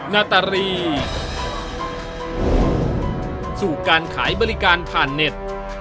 นาตารีสู่การขายบริการผ่านเน็ต